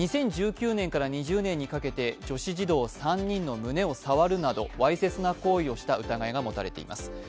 ２０１９年から２０年にかけて女子児童３人の胸を触るなどわいせつな行為をした疑いが持たれています。